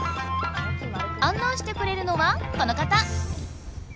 あん内してくれるのはこの方！